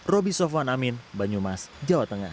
roby sofwan amin banyumas jawa tengah